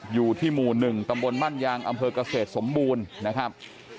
อยู่ที่หมู่๑ตำบลมั่นยางอำเภอกเกษตรสมบูรณ์นะครับ